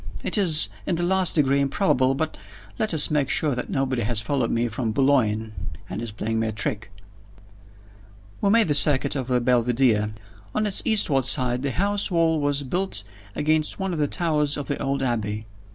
It is in the last degree improbable but let us make sure that nobody has followed me from Boulogne, and is playing me a trick." We made the circuit of the Belvidere. On its eastward side the house wall was built against one of the towers of the old Abbey.